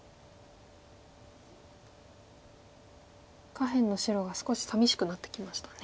下辺の白が少しさみしくなってきましたね。